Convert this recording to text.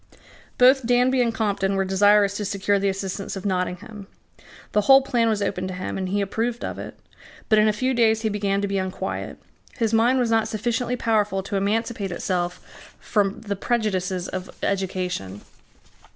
Both Danby and Compton were desirous to secure the assistance of Nottingham. The whole plan was opened to him; and he approved of it. But in a few days he began to be unquiet. His mind was not sufficiently powerful to emancipate itself from the prejudices of education.